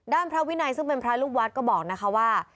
พระวินัยซึ่งเป็นพระลูกวัดก็บอกนะคะว่า